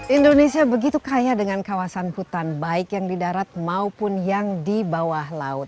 indonesia begitu kaya dengan kawasan hutan baik yang di darat maupun yang di bawah laut